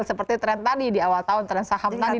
seperti tren tadi di awal tahun tren saham tadi di awal tahun